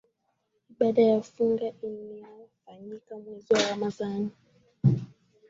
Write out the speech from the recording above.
ibada ya funga inafanyika mwezi ramadani